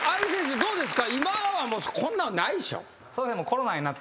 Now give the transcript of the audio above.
どうですか？